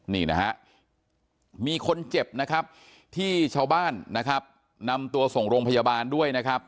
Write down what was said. นี่นะฮะมีคนเจ็บนะครับที่ชาวบ้านนะครับนำตัวส่งโรงพยาบาลด้วยนะครับ